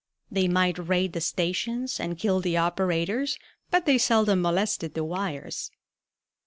They might raid the stations and kill the operators, but they seldom molested the wires.